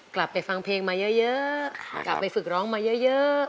กลับไปฟังเพลงมาเยอะกลับไปฝึกร้องมาเยอะ